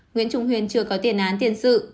nguyễn trung huyên chưa có tiền án tiền sự